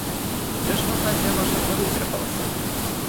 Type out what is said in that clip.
Невже ж фантазія ваша вже вичерпалася?